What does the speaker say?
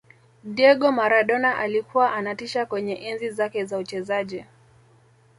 diego maradona alikuwa anatisha kwenye enzi zake za uchezaji